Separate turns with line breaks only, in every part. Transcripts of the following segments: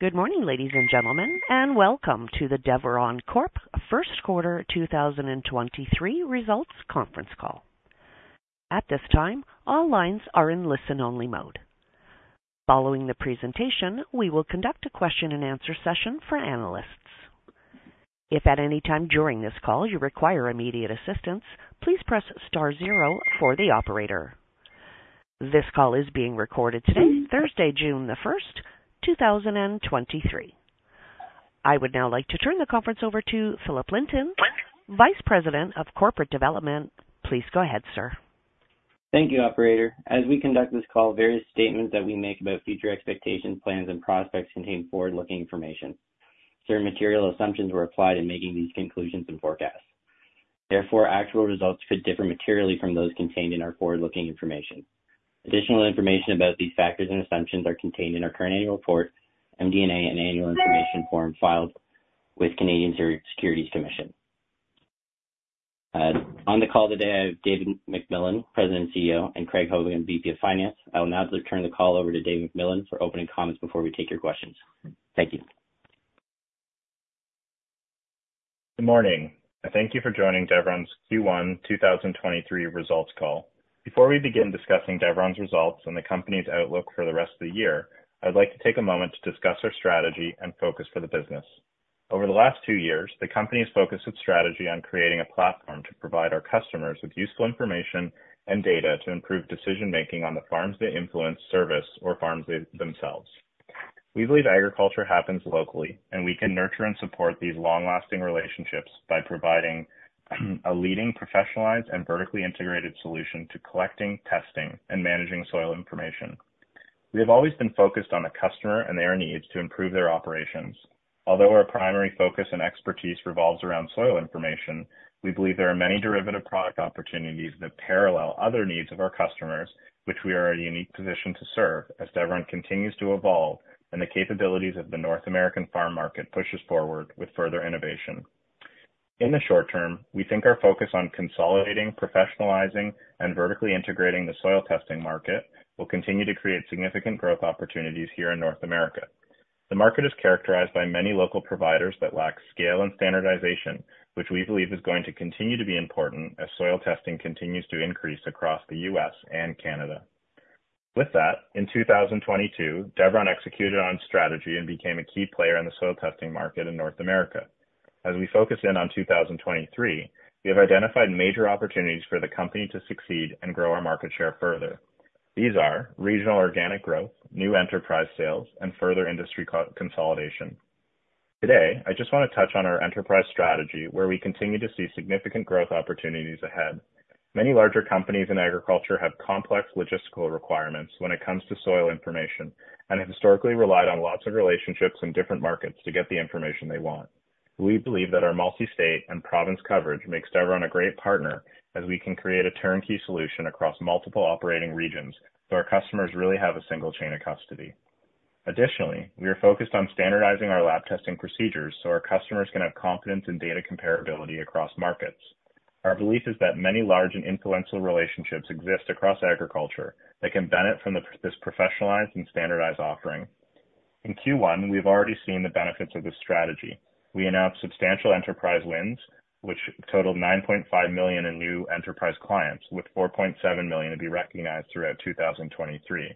Good morning, ladies and gentlemen, Welcome to the Deveron Corp First Quarter 2023 Results Conference Call. At this time, all lines are in listen-only mode. Following the presentation, we will conduct a question-and-answer session for analysts. If at any time during this call you require immediate assistance, please press star zero for the operator. This call is being recorded today, Thursday, June 1st, 2023. I would now like to turn the conference over to Philip Linton, Vice President of Corporate Development. Please go ahead, sir.
Thank you, operator. As we conduct this call, various statements that we make about future expectations, plans, and prospects contain forward-looking information. Certain material assumptions were applied in making these conclusions and forecasts. Therefore, actual results could differ materially from those contained in our forward-looking information. Additional information about these factors and assumptions are contained in our current annual report, MD&A, and annual information form filed with Canadian Securities Administrators. On the call today, I have David MacMillan, President and CEO, and Craig Hogan, VP of Finance. I will now turn the call over to Dave MacMillan for opening comments before we take your questions. Thank you.
Good morning and thank you for joining Deveron's Q1 2023 results call. Before we begin discussing Deveron's results and the company's outlook for the rest of the year, I would like to take a moment to discuss our strategy and focus for the business. Over the last two years, the company's focused its strategy on creating a platform to provide our customers with useful information and data to improve decision-making on the farms they influence, service, or farms they themselves. We believe agriculture happens locally, and we can nurture and support these long-lasting relationships by providing a leading, professionalized, and vertically integrated solution to collecting, testing, and managing soil information. We have always been focused on the customer and their needs to improve their operations. Our primary focus and expertise revolves around soil information, we believe there are many derivative product opportunities that parallel other needs of our customers, which we are in a unique position to serve as Deveron continues to evolve and the capabilities of the North American farm market pushes forward with further innovation. In the short term, we think our focus on consolidating, professionalizing, and vertically integrating the soil testing market will continue to create significant growth opportunities here in North America. The market is characterized by many local providers that lack scale and standardization, which we believe is going to continue to be important as soil testing continues to increase across the U.S. and Canada. In 2022, Deveron executed on strategy and became a key player in the soil testing market in North America. As we focus in on 2023, we have identified major opportunities for the company to succeed and grow our market share further. These are regional organic growth, new enterprise sales, and further industry co-consolidation. Today, I just want to touch on our enterprise strategy, where we continue to see significant growth opportunities ahead. Many larger companies in agriculture have complex logistical requirements when it comes to soil information and have historically relied on lots of relationships in different markets to get the information they want. We believe that our multi-state and province coverage makes Deveron a great partner as we can create a turnkey solution across multiple operating regions, so our customers really have a single chain of custody. Additionally, we are focused on standardizing our lab testing procedures so our customers can have confidence in data comparability across markets. Our belief is that many large and influential relationships exist across agriculture that can benefit from this professionalized and standardized offering. In Q1, we've already seen the benefits of this strategy. We announced substantial enterprise wins, which totaled 9.5 million in new enterprise clients, with 4.7 million to be recognized throughout 2023.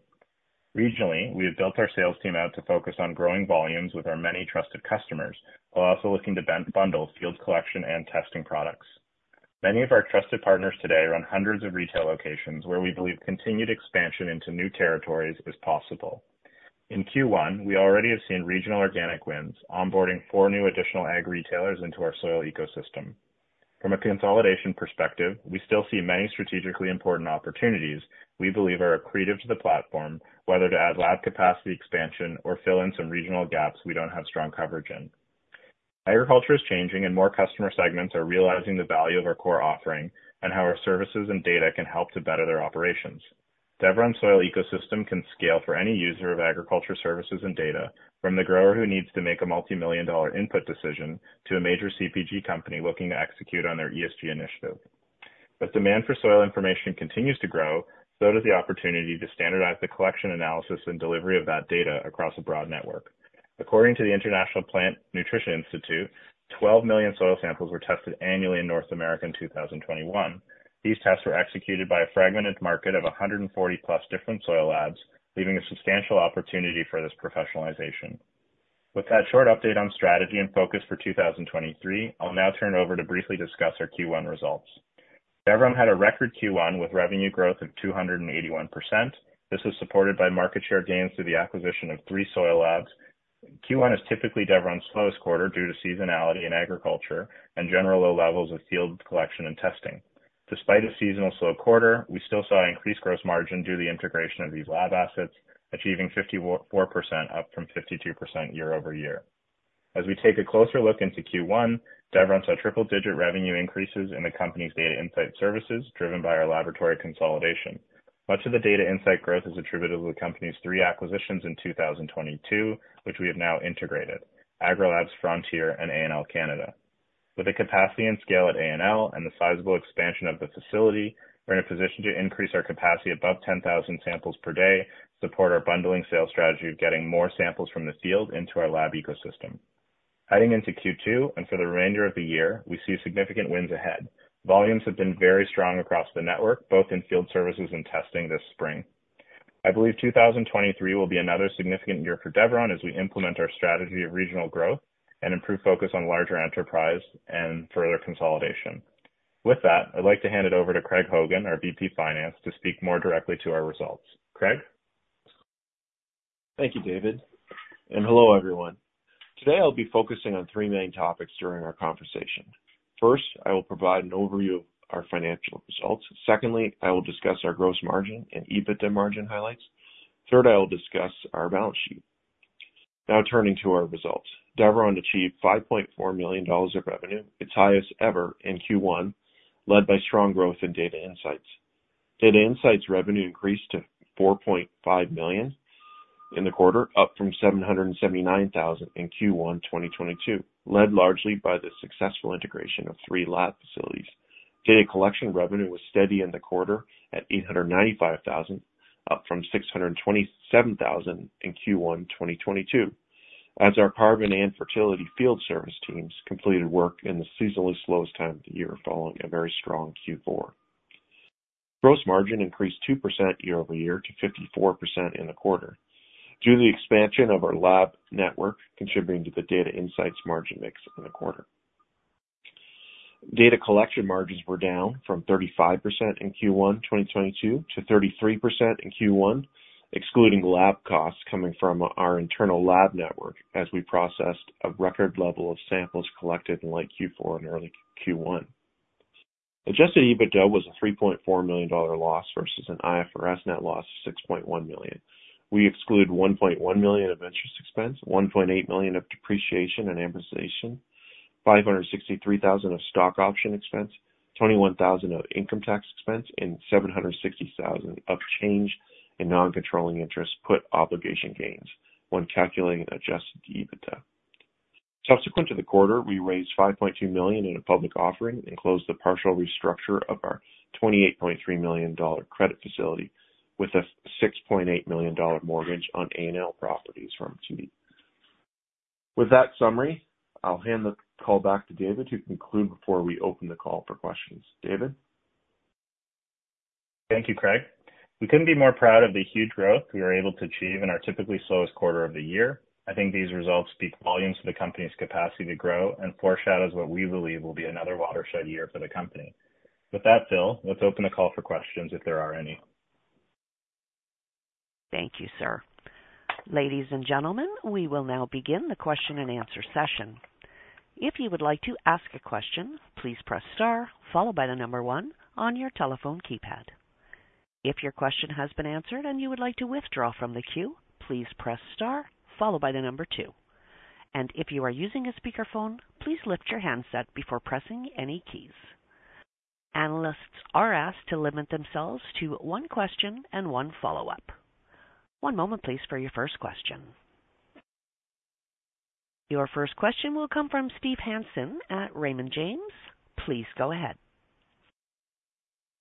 Regionally, we have built our sales team out to focus on growing volumes with our many trusted customers, while also looking to bundle field collection and testing products. Many of our trusted partners today are on hundreds of retail locations where we believe continued expansion into new territories is possible. In Q1, we already have seen regional organic wins, onboarding four new additional ag retailers into our soil ecosystem. From a consolidation perspective, we still see many strategically important opportunities we believe are accretive to the platform, whether to add lab capacity expansion or fill in some regional gaps we don't have strong coverage in. Agriculture is changing, and more customer segments are realizing the value of our core offering and how our services and data can help to better their operations. Deveron Soil Ecosystem can scale for any user of agriculture services and data from the grower who needs to make a multimillion-dollar input decision to a major CPG company looking to execute on their ESG initiative. Demand for soil information continues to grow, so does the opportunity to standardize the collection, analysis, and delivery of that data across a broad network. According to the International Plant Nutrition Institute, 12 million soil samples were tested annually in North America in 2021. These tests were executed by a fragmented market of 140+ different soil labs, leaving a substantial opportunity for this professionalization. That short update on strategy and focus for 2023, I'll now turn over to briefly discuss our Q1 results. Deveron had a record Q1 with revenue growth of 281%. This was supported by market share gains through the acquisition of three soil labs. Q1 is typically Deveron's slowest quarter due to seasonality in agriculture and general low levels of field collection and testing. Despite a seasonal slow quarter, we still saw increased gross margin due to the integration of these lab assets, achieving 54%, up from 52% year-over-year. We take a closer look into Q1, Deveron saw triple-digit revenue increases in the company's data insight services, driven by our laboratory consolidation. Much of the data insight growth is attributable to the company's three acquisitions in 2022, which we have now integrated: Agri-Labs, Frontier, and A&L Canada. With the capacity and scale at A&L and the sizable expansion of the facility, we're in a position to increase our capacity above 10,000 samples per day, support our bundling sales strategy of getting more samples from the field into our soil ecosystem. Heading into Q2 and for the remainder of the year, we see significant wins ahead. Volumes have been very strong across the network, both in field services and testing this spring. I believe 2023 will be another significant year for Deveron as we implement our strategy of regional growth and improve focus on larger enterprise and further consolidation. With that, I'd like to hand it over to Craig Hogan, our VP Finance, to speak more directly to our results. Craig?
Thank you, David, and hello, everyone. Today I'll be focusing on three main topics during our conversation. First, I will provide an overview of our financial results. Secondly, I will discuss our gross margin and EBITDA margin highlights. Third, I will discuss our balance sheet. Now turning to our results. Deveron achieved 5.4 million dollars of revenue, its highest ever in Q1, led by strong growth in Data Insights. Data Insights revenue increased to 4.5 million in the quarter, up from 779,000 in Q1 2022, led largely by the successful integration of three lab facilities. Data collection revenue was steady in the quarter at 895,000, up from 627,000 in Q1 2022, as our carbon and fertility field service teams completed work in the seasonally slowest time of the year, following a very strong Q4. Gross margin increased 2% year-over-year to 54% in the quarter due to the expansion of our lab network, contributing to the data insights margin mix in the quarter. Data collection margins were down from 35% in Q1 2022 to 33% in Q1, excluding lab costs coming from our internal lab network as we processed a record level of samples collected in late Q4 and early Q1. Adjusted EBITDA was a 3.4 million dollar loss versus an IFRS net loss of 6.1 million. We exclude 1.1 million of interest expense, 1.8 million of depreciation and amortization, 563,000 of stock option expense, 21,000 of income tax expense, and 760,000 of change in non-controlling interest put obligation gains when calculating adjusted EBITDA. Subsequent to the quarter, we raised 5.2 million in a public offering and closed the partial restructure of our 28.3 million dollar credit facility with a 6.8 million dollar mortgage on A&L properties from TD. With that summary, I'll hand the call back to David to conclude before we open the call for questions. David?
Thank you, Craig. We couldn't be more proud of the huge growth we were able to achieve in our typically slowest quarter of the year. I think these results speak volumes to the company's capacity to grow and foreshadows what we believe will be another watershed year for the company. With that said, let's open the call for questions, if there are any.
Thank you, sir. Ladies and gentlemen, we will now begin the question-and-answer session. If you would like to ask a question, please press star followed by one on your telephone keypad. If your question has been answered and you would like to withdraw from the queue, please press star followed by two. If you are using a speakerphone, please lift your handset before pressing any keys. Analysts are asked to limit themselves to one question and one follow-up. one moment, please, for your first question. Your first question will come from Steve Hansen at Raymond James. Please go ahead.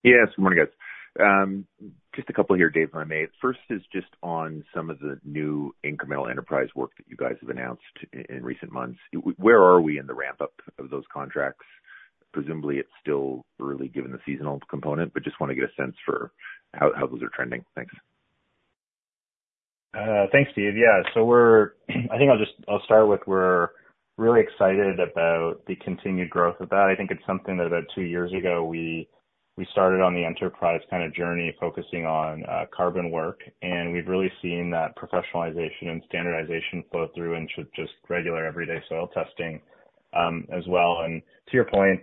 Yes, good morning, guys. Just a couple here, Dave, if I may. First is just on some of the new incremental enterprise work that you guys have announced in recent months. Where are we in the ramp-up of those contracts? Presumably, it's still early given the seasonal component, but just want to get a sense for how those are trending. Thanks.
Thanks, Steve. I think I'll start with, we're really excited about the continued growth of that. I think it's something that about two years ago we started on the enterprise kind of journey, focusing on carbon work, and we've really seen that professionalization and standardization flow through into just regular, everyday soil testing as well. To your point,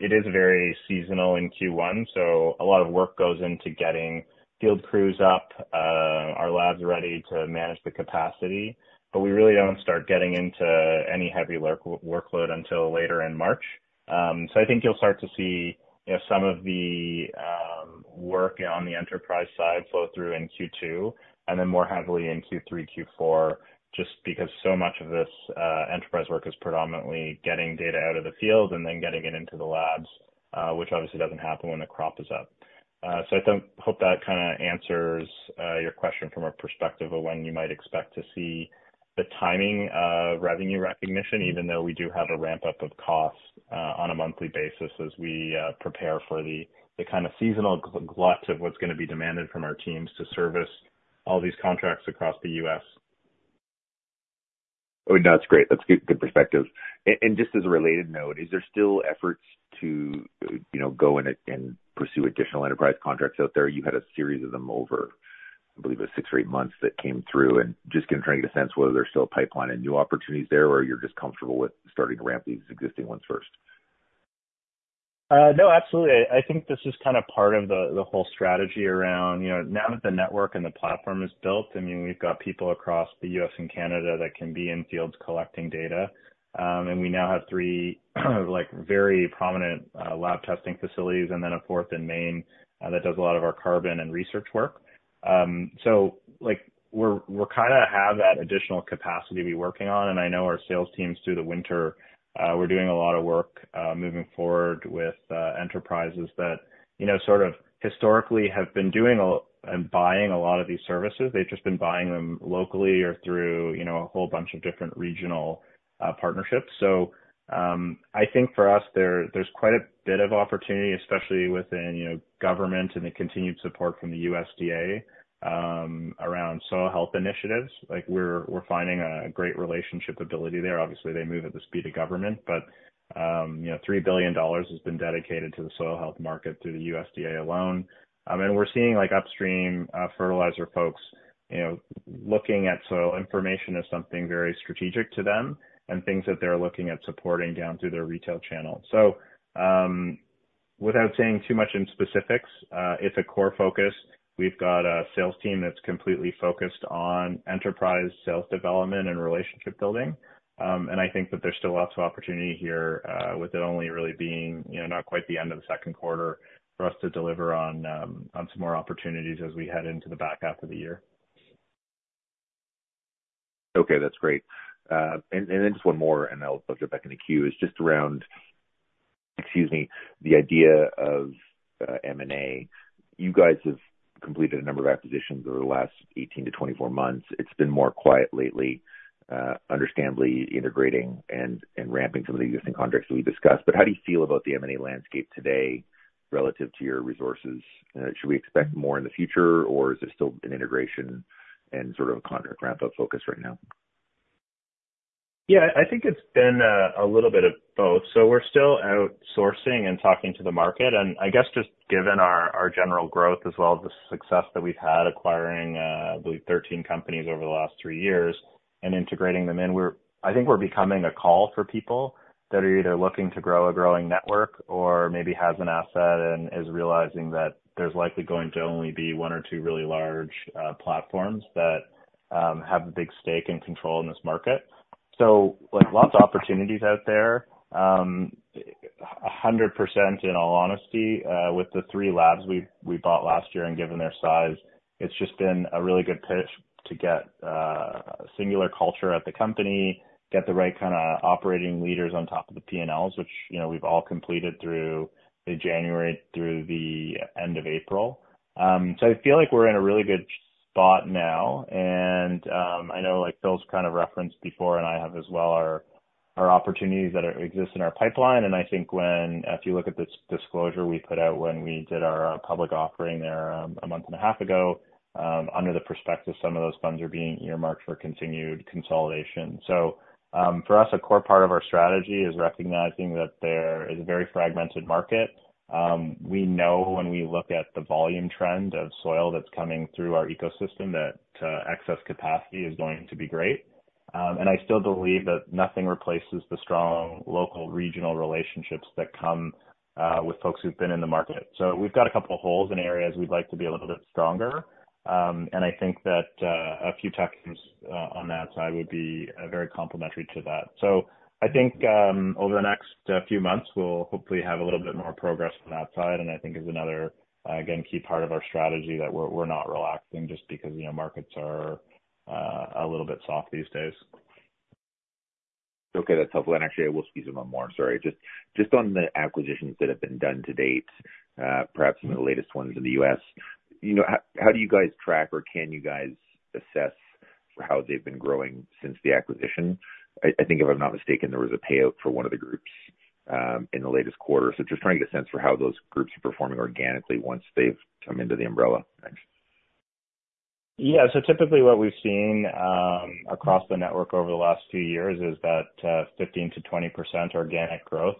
it is very seasonal in Q1, so a lot of work goes into getting field crews up, our labs ready to manage the capacity, but we really don't start getting into any heavy work, workload until later in March. I think you'll start to see, you know, some of the work on the enterprise side flow through in Q2 and then more heavily in Q3, Q4, just because so much of this enterprise work is predominantly getting data out of the field and then getting it into the labs, which obviously doesn't happen when the crop is up. I think, hope that kind of answers your question from our perspective of when you might expect to see the timing of revenue recognition, even though we do have a ramp-up of costs on a monthly basis as we prepare for the kind of seasonal glut of what's going to be demanded from our teams to service all these contracts across the US.
Oh, no, that's great. That's good perspective. Just as a related note, is there still efforts to, you know, go in and pursue additional enterprise contracts out there? You had a series of them over, I believe, it was six or eight months that came through. Just trying to get a sense of whether there's still a pipeline and new opportunities there, or you're just comfortable with starting to ramp these existing ones first.
No, absolutely. I think this is kind of part of the whole strategy around, you know, now that the network and the platform is built, I mean, we've got people across the U.S. and Canada that can be in fields collecting data. We now have three, like, very prominent lab testing facilities and then a fourth in Maine that does a lot of our carbon and research work. Like we're kind of have that additional capacity to be working on, and I know our sales teams through the winter, we're doing a lot of work moving forward with enterprises that, you know, sort of historically have been doing and buying a lot of these services. They've just been buying them locally or through, you know, a whole bunch of different regional partnerships. I think for us, there's quite a bit of opportunity, especially within, you know, government and the continued support from the USDA around soil health initiatives. Like we're finding a great relationship ability there. Obviously, they move at the speed of government, but, you know, $3 billion has been dedicated to the soil health market through the USDA alone. We're seeing like upstream fertilizer folks, you know, looking at soil information as something very strategic to them and things that they're looking at supporting down through their retail channel. Without saying too much in specifics, it's a core focus. We've got a sales team that's completely focused on enterprise sales development and relationship building. I think that there's still lots of opportunity here, with it only really being, you know, not quite the end of the second quarter for us to deliver on some more opportunities as we head into the back half of the year.
Okay, that's great. Just one more, and I'll jump back in the queue, is just around, excuse me, the idea of M&A. You guys have completed a number of acquisitions over the last 18-24 months. It's been more quiet lately, understandably integrating and ramping some of the existing contracts that we discussed. How do you feel about the M&A landscape today relative to your resources? Should we expect more in the future, or is this still an integration and sort of contract ramp-up focus right now?
I think it's been a little bit of both. We're still outsourcing and talking to the market, and I guess just given our general growth as well, the success that we've had acquiring, I believe 13 companies over the last three years and integrating them in, I think we're becoming a call for people that are either looking to grow a growing network or maybe has an asset and is realizing that there's likely going to only be one or two really large platforms that have a big stake and control in this market. Like, lots of opportunities out there. 100%, in all honesty, with the three labs we bought last year and given their size, it's just been a really good pitch to get singular culture at the company, get the right kind of operating leaders on top of the P&Ls, which, you know, we've all completed through the January through the end of April. I feel like we're in a really good spot now. I know, like, Phil's kind of referenced before, and I have as well, our opportunities that exist in our pipeline. I think when... If you look at the disclosure we put out when we did our public offering there, 1.5 months ago, under the prospectus, some of those funds are being earmarked for continued consolidation. For us, a core part of our strategy is recognizing that there is a very fragmented market. We know when we look at the volume trend of soil that's coming through our ecosystem, that excess capacity is going to be great. I still believe that nothing replaces the strong local, regional relationships that come with folks who've been in the market. We've got a couple of holes in areas we'd like to be a little bit stronger. I think that a few tech teams on that side would be very complementary to that. I think, over the next few months, we'll hopefully have a little bit more progress on that side, and I think is another, again, key part of our strategy, that we're not relaxing just because, you know, markets are a little bit soft these days.
Okay, that's helpful. Actually, I will squeeze in one more. Sorry. Just on the acquisitions that have been done to date, perhaps some of the latest ones in the U.S., you know, how do you guys track, or can you guys assess how they've been growing since the acquisition? I think if I'm not mistaken, there was a payout for one of the groups in the latest quarter. Just trying to get a sense for how those groups are performing organically once they've come into the umbrella. Thanks.
Yeah. Typically what we've seen across the network over the last two years is that 15%-20% organic growth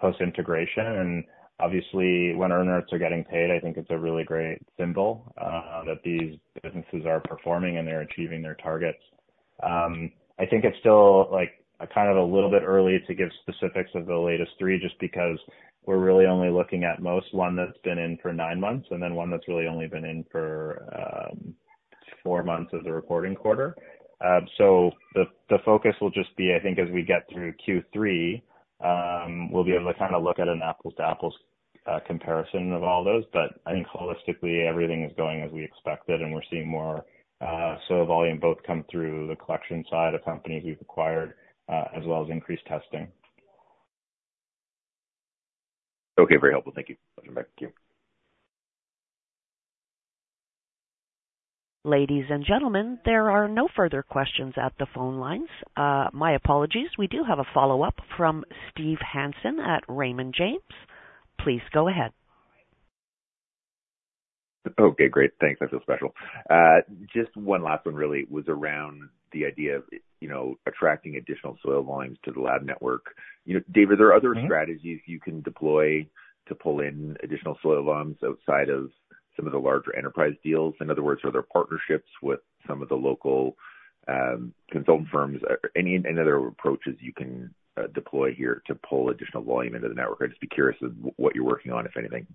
post-integration. Obviously, when earnouts are getting paid, I think it's a really great symbol that these businesses are performing and they're achieving their targets. I think it's still, like, kind of a little bit early to give specifics of the latest three, just because we're really only looking at most one that's been in for nine months, and then one that's really only been in for four months as a reporting quarter. The focus will just be, I think, as we get through Q3, we'll be able to kind of look at an apples-to-apples comparison of all those. I think holistically, everything is going as we expected, and we're seeing more soil volume both come through the collection side of companies we've acquired, as well as increased testing.
Okay, very helpful. Thank you.
Thank you.
Ladies and gentlemen, there are no further questions at the phone lines. My apologies. We do have a follow-up from Steve Hansen at Raymond James. Please go ahead.
Okay, great. Thanks, I feel special. Just one last one really was around the idea of, you know, attracting additional soil volumes to the lab network. You know, David, are there other strategies you can deploy to pull in additional soil volumes outside of some of the larger enterprise deals? In other words, are there partnerships with some of the local consultant firms or any other approaches you can deploy here to pull additional volume into the network? I'd just be curious of what you're working on, if anything.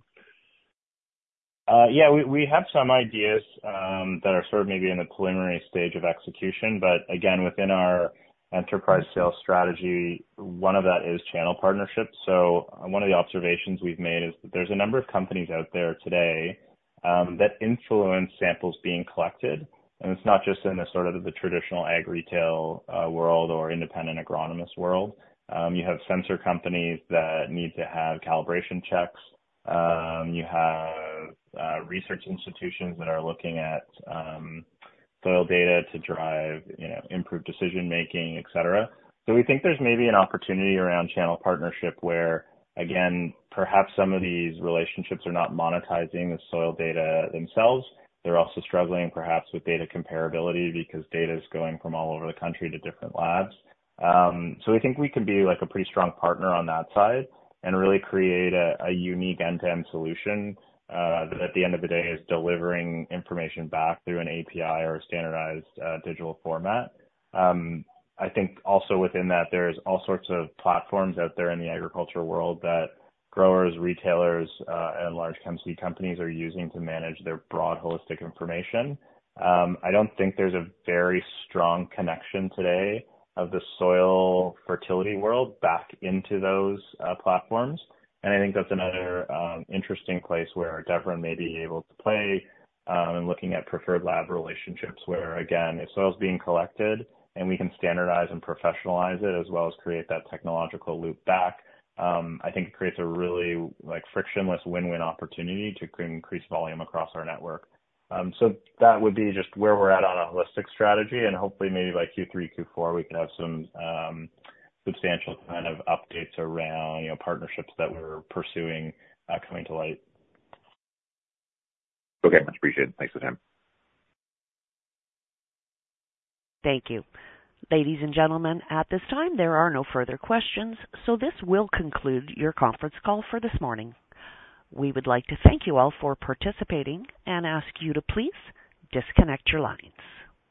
Yeah, we have some ideas that are sort of maybe in the preliminary stage of execution, but again, within our enterprise sales strategy, one of that is channel partnerships. One of the observations we've made is that there's a number of companies out there today that influence samples being collected, and it's not just in the sort of the traditional ag retail world or independent agronomist world. You have sensor companies that need to have calibration checks. You have research institutions that are looking at soil data to drive, you know, improved decision making, et cetera. We think there's maybe an opportunity around channel partnership, where, again, perhaps some of these relationships are not monetizing the soil data themselves. They're also struggling, perhaps with data comparability, because data is going from all over the country to different labs. We think we can be like a pretty strong partner on that side and really create a unique end-to-end solution that at the end of the day is delivering information back through an API or a standardized digital format. I think also within that, there's all sorts of platforms out there in the agriculture world that growers, retailers, and large chem seed companies are using to manage their broad holistic information. I don't think there's a very strong connection today of the soil fertility world back into those platforms. I think that's another interesting place where Deveron may be able to play in looking at preferred lab relationships, where again, if soil's being collected and we can standardize and professionalize it, as well as create that technological loop back, I think it creates a really like frictionless, win-win opportunity to increase volume across our network. That would be just where we're at on a holistic strategy, and hopefully maybe by Q3, Q4, we can have some substantial kind of updates around, you know, partnerships that we're pursuing, coming to light.
Okay, much appreciated. Thanks for the time.
Thank you. Ladies and gentlemen, at this time, there are no further questions. This will conclude your conference call for this morning. We would like to thank you all for participating and ask you to please disconnect your lines.